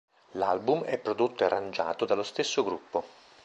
L'album è prodotto e arrangiato dallo stesso gruppo.